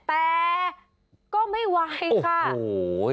แต่ก็ไม่ไหวค่ะโอ้โห